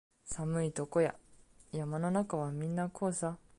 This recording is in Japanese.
寒いとこや山の中はみんなこうさ